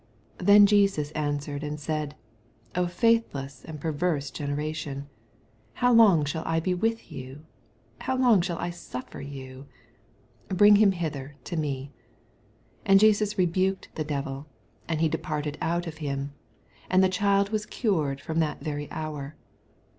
17 Then Jesus answered and said, faithless and perverse generation, how long shall I be with you ? how long shul I suft'er you ? bring him hither to me. 18 And Jesus rebuked the devil; and he departed out of hiia : an I th« child was cured from that very hour.